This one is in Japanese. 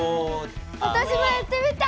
わたしもやってみたい！